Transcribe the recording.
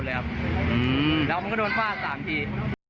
แล้วมันก็โดนฟาด๓ที